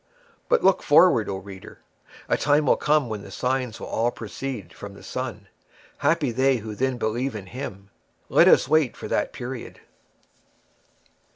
But look forward, O reader! A time will come when the signs will all proceed from the Son. Happy they who then believe in him! Let us wait that period.